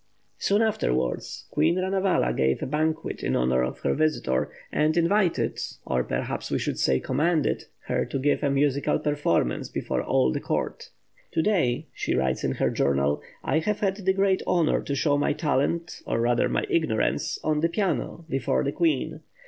Soon afterwards, Queen Ranavala gave a banquet in honour of her visitor, and invited or, perhaps, we should say commanded her to give a musical performance before all her court. "To day," she writes in her journal, "I have had the great honour to show my talent, or rather my ignorance, on the piano before the Queen.